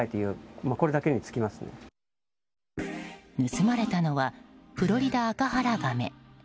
盗まれたのはフロリダアカハラガメ。